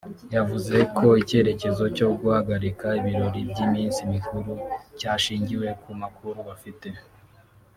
yavuze ko icyemezo cyo guhagarika ibirori by’iminsi mikuru cyashingiwe ku makuru bafite